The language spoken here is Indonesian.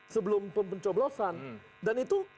sebelum pemcoblosan dan itu